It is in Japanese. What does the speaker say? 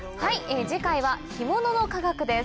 次回は干物の科学です。